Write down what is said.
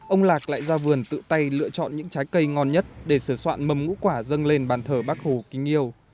ông lạc lại ra vườn tự tay lựa chọn những trái cây ngon nhất để sửa soạn mầm ngũ quả dâng lên bàn thờ bác hồ kính yêu